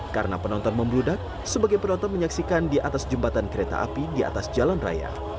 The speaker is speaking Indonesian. karena penonton membrudak sebagai penonton menyaksikan di atas jembatan kereta api di atas jalan raya